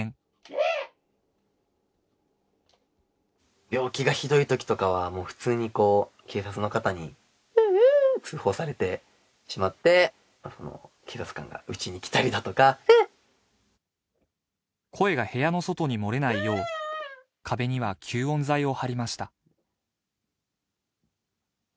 うえーっ病気がひどい時とかはもう普通にこう警察の方にううーっ通報されてしまってその警察官がうちに来たりだとかうーっ声が部屋の外に漏れないよう壁には吸音材をはりました